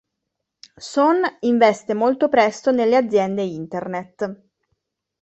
Son investe molto presto nelle aziende Internet.